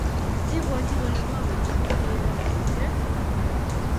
ibwoti kole mangen tuguk cheyoyeske